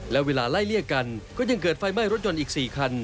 และเวลาไล่เลี่ยกันก็ยังเกิดไฟไหม้รถยนต์อีก๔คัน